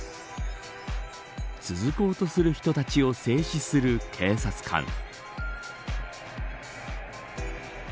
続こうとする人たちを制止する警察官。